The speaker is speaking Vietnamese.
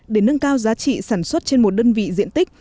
để nâng cao giá trị sản xuất trên một đơn vị diện tích